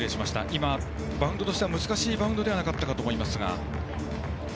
今、バウンドとしては難しいバウンドではなかったかと思いますが。